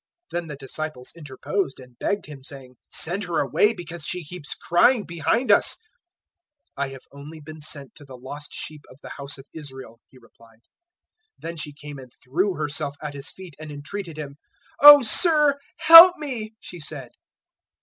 Then the disciples interposed, and begged Him, saying, "Send her away because she keeps crying behind us." 015:024 "I have only been sent to the lost sheep of the house of Israel," He replied. 015:025 Then she came and threw herself at His feet and entreated Him. "O Sir, help me," she said.